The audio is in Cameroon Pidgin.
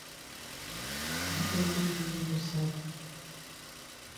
Na only you no sabi.